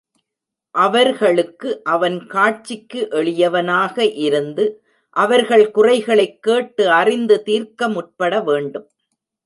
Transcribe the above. அவர்களுக்கு அவன் காட்சிக்கு எளியவனாக இருந்து அவர்கள் குறைகளைக் கேட்டு அறிந்து தீர்க்க முற்பட வேண்டும்.